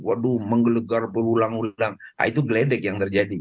waduh menggelegar berulang ulang nah itu geledek yang terjadi